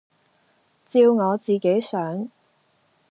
照我自己想，